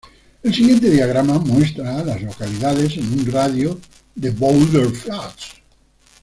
El siguiente diagrama muestra a las localidades en un radio de de Boulder Flats.